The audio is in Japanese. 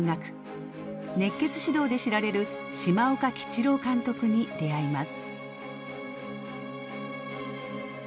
熱血指導で知られる島岡吉郎監督に出会います。